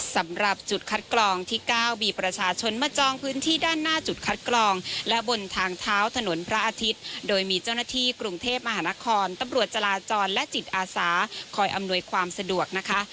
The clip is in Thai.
สำหรับจุดคัดกรองที่๙มีประชาชนมาจองพื้นที่ด้านหน้าจุดคัดกรองและบนทางเท้าถนนพระอาทิตย์โดยมีเจ้าหน้าที่กรุงเทพมหานครตำรวจจราจรและจิตอาสาคอยอำนวยความสะดวกนะคะ